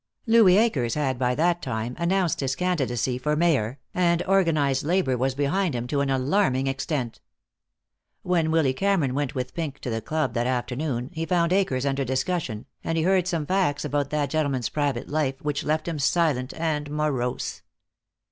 Louis Akers had by that time announced his candidacy for Mayor, and organized labor was behind him to an alarming extent. When Willy Cameron went with Pink to the club that afternoon, he found Akers under discussion, and he heard some facts about that gentleman's private life which left him silent and morose.